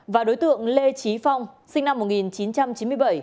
và đối tượng lê trí phong sinh năm một nghìn chín trăm chín mươi bảy